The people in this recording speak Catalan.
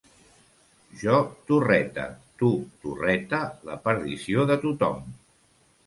Jo torreta, tu torreta, la perdició de tothom.